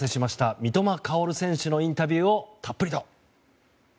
三笘薫選手のインタビューをたっぷりと。